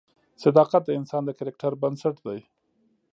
صداقت د انسان د کرکټر بنسټ دی.